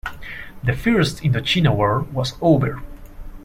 The First Indochina War was over.